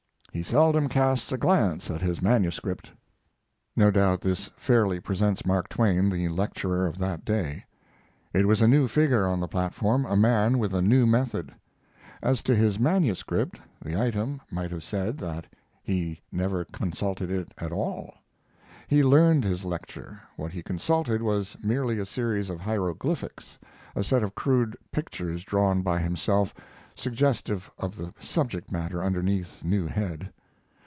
He seldom casts a glance at his manuscript. No doubt this fairly presents Mark Twain, the lecturer of that day. It was a new figure on the platform, a man with a new method. As to his manuscript, the item might have said that he never consulted it at all. He learned his lecture; what he consulted was merely a series of hieroglyphics, a set of crude pictures drawn by himself, suggestive of the subject matter underneath new head.